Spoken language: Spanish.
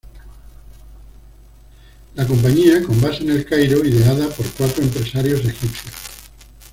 La compañía con base en El Cairo, ideada por cuatro empresarios egipcios.